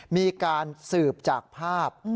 มีการสืบจากภาพ